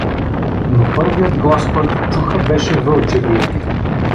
Но първият глас, който чуха, беше вълче виене.